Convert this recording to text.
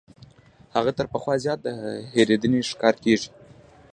هغه تر پخوا زیات د هېرېدنې ښکار کیږي.